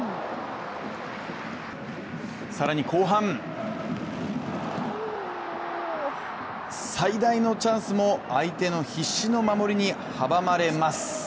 更に後半最大のチャンスも、相手の必死の守りに阻まれます。